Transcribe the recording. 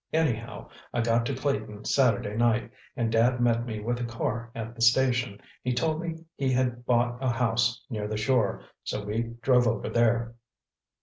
Anyhow, I got to Clayton Saturday night, and Dad met me with a car at the station. He told me he had bought a house near the shore, so we drove over there."